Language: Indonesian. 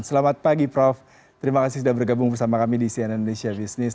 selamat pagi prof terima kasih sudah bergabung bersama kami di cnn indonesia business